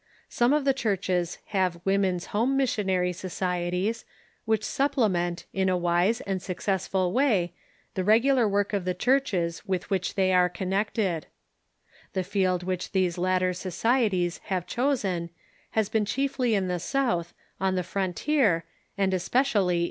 Some of the churches have Women's Home Mission ary Societies which supplement, in a Avise and successful way, the regular work of the churches with which they are con nected. The field which these latter societies have chosen has been chiefly in the South, on the frontier, and especially in * Thomas Bailey Aldrich, in the Atlantic Monthly, August, 1892.